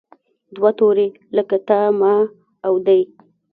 دوه توري لکه تا، ما او دی.